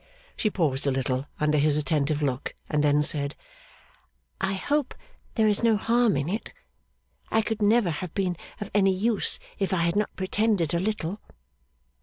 She paused a little under his attentive look, and then said, 'I hope there is no harm in it. I could never have been of any use, if I had not pretended a little.